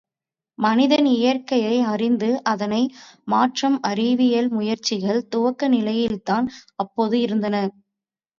மனிதன் இயற்கையை அறிந்து அதனை மாற்றும் அறிவியல் முயற்சிகள் துவக்க நிலையில்தான் அப்போது இருந்தன.